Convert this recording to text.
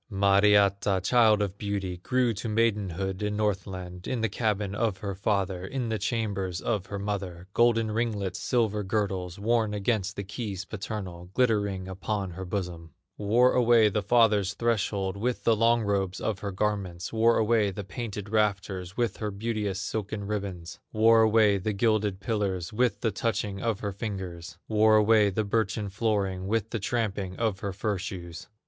Mariatta, child of beauty, Grew to maidenhood in Northland, In the cabin of her father, In the chambers of her mother, Golden ringlets, silver girdles, Worn against the keys paternal, Glittering upon her bosom; Wore away the father's threshold With the long robes of her garments; Wore away the painted rafters With her beauteous silken ribbons; Wore away the gilded pillars With the touching of her fingers; Wore away the birchen flooring With the tramping of her fur shoes.